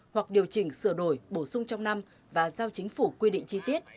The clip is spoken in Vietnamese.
hoặc điều chỉnh sửa đổi bổ sung trong năm và giao chính phủ quy định chi tiết